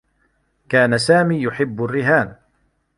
كان سامي يحبّ الرّهان.